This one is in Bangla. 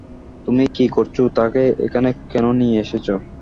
তুমি কি করছো, তাকে এখানে কেন নিয়ে এসেছো?